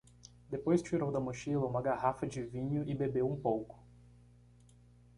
Depois tirou da mochila uma garrafa de vinho e bebeu um pouco.